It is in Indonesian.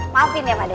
maafin ya pak de